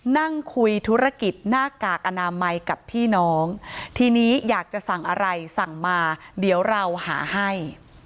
นั่งคุยธุรกิจหน้ากากอนามัยกับพี่น้องทีนี้อยากจะสั่งอะไรสั่งมาเดี๋ยวเราหาให้